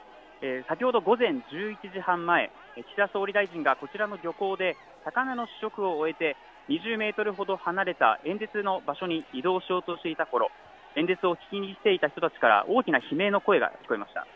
先ほど午前１１時半前、岸田総理大臣がこちらの漁港で魚の試食を終えて２０メートルほど離れた演説の場所に移動しようとしていたころ、演説を聞きに来ていた人たちが大きな悲鳴の声が聞こえました。